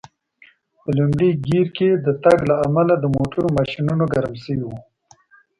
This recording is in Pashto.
په لومړي ګېر کې د تګ له امله د موټرو ماشینونه ګرم شوي و.